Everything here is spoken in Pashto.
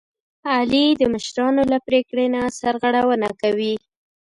علي د مشرانو له پرېکړې نه سرغړونه کوي.